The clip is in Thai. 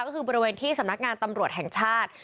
ก็คือบริเวณที่สำนักงานตำรวจแห่งชาติ